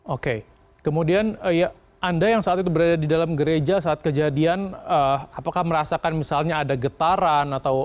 oke kemudian anda yang saat itu berada di dalam gereja saat kejadian apakah merasakan misalnya ada getaran atau